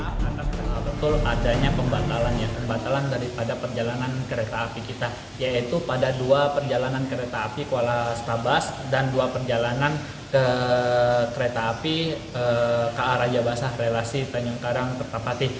tidak betul adanya pembatalan ya pembatalan daripada perjalanan kereta api kita yaitu pada dua perjalanan kereta api kuala stabas dan dua perjalanan kereta api ka raja basa relasi tanjung karang kertapati